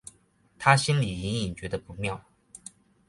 她心里隐隐觉得不妙